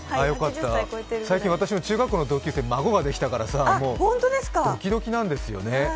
最近、私の中学校の同級生、孫ができたからさ、ドキドキなんですよね。